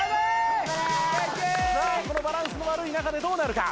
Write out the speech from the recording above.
さあこのバランスの悪い中でどうなるか？